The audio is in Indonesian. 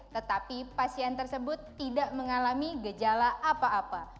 tetapi pasien tersebut tidak mengalami gejala apa apa